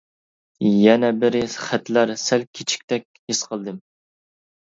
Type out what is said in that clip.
يەنە بىرى خەتلەر سەل كىچىكتەك ھېس قىلدىم.